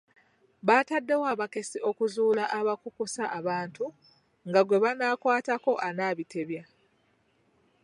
Baataddewo abakessi okuzuula abakukusa abantu nga gwe banaakwataatako anaabitebya.